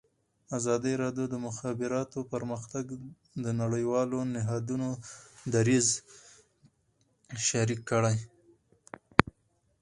ازادي راډیو د د مخابراتو پرمختګ د نړیوالو نهادونو دریځ شریک کړی.